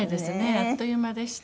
あっという間でした。